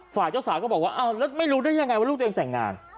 ฝ่ายเจ้าสาวก็บอกว่าอ้าวแล้วไม่รู้ได้ยังไงว่าลูกตัวเองแต่งงาน